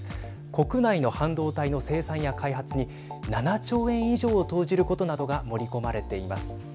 国内の半導体の生産や開発に７兆円以上を投じることなどが盛り込まれています。